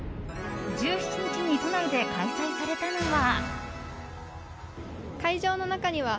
１７日に都内で開催されたのは。